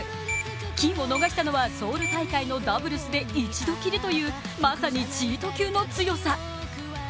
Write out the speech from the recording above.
金を逃したのはソウル大会のダブルスで１度きりというまさにチート級の強さ。